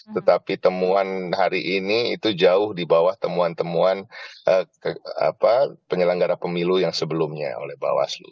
tetapi temuan hari ini itu jauh di bawah temuan temuan penyelenggara pemilu yang sebelumnya oleh bawaslu